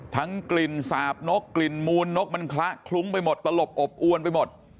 กลิ่นสาบนกกลิ่นมูลนกมันคละคลุ้งไปหมดตลบอบอวนไปหมด